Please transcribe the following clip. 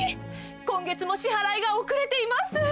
今月も支払いが遅れています。